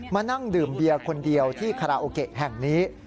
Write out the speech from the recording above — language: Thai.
มานั่งดื่มเบียร์คนเดียวที่คาราโอเกะแห่งนี้